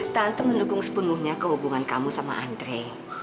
tante mendukung sepenuhnya kehubungan kamu sama andre